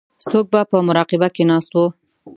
څوک په مراقبه کې ناست وو.